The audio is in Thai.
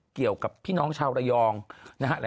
เกี่ยวกับพี่น้องชาวระยองนะฮะ